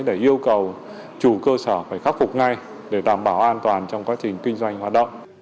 để yêu cầu chủ cơ sở phải khắc phục ngay để đảm bảo an toàn trong quá trình kinh doanh hoạt động